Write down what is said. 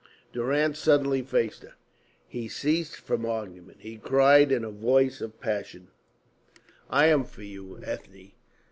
Durrance suddenly faced her. He ceased from argument; he cried in a voice of passion: "I am for you, Ethne!